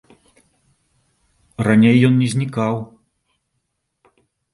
Раней ён не знікаў.